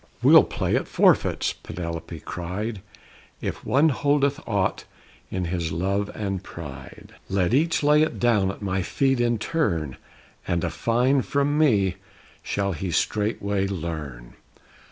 "We'll play at forfeits," Penelope cried. "If one holdeth aught in his love and pride, "Let each lay it down at my feet in turn, And a fine from me shall he straightway learn!"